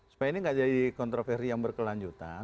supaya ini tidak jadi kontroversi yang berkelanjutan